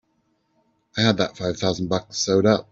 I had that five thousand bucks sewed up!